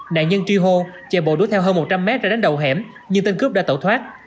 nạn nhân tri hô chạy bộ đuối theo hơn một trăm linh m ra đánh đầu hẻm nhưng tên cướp đã tẩu thoát